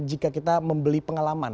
jika kita membeli pengalaman